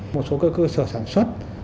một số các cơ sở sản xuất